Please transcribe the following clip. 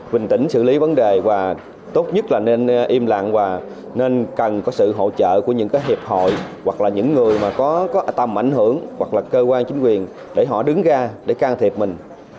bình tĩnh xử lý vấn đề và tốt nhất là nên im lặng và nên cần có sự hỗ trợ của những hiệp hội hoặc là những người mà có tầm ảnh hưởng hoặc là cơ quan chính quyền để họ đứng ra để can thiệp mình